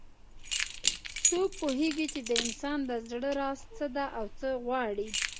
څوک پوهیږي چې د انسان د زړه راز څه ده او څه غواړي